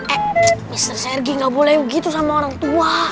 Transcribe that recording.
eh mister sergi gak boleh begitu sama orang tua